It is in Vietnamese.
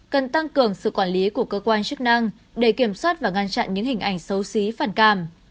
cần tăng cường sự quản lý của cơ quan chức năng để kiểm soát và ngăn chặn những hình ảnh xấu xí phản cảm